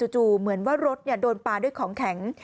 เหมือนว่ารถโดนปลาด้วยของแข็ง